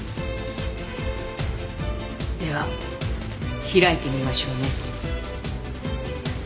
では開いてみましょうね。